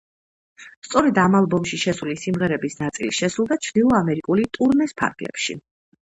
სწორედ ამ ალბომში შესული სიმღერების ნაწილი შესრულდა ჩრდილო ამერიკული ტურნეს ფარგლებში.